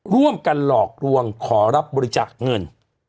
ร่วมกันหลอกลวงขอรับบริจาคเงิน